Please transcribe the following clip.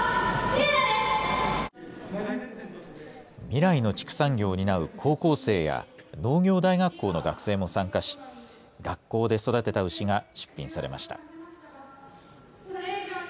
未来の畜産業を担う高校生や農業大学校の学生も参加し、学校で育てた牛が出品されました。